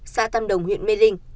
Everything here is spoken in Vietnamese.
xã tâm đồng huyện mê linh